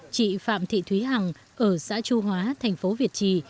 chị phạm thị thúy hằng ở xã chu hóa thành phố việt trì